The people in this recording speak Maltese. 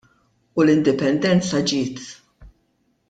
U l-Indipendenza ġiet.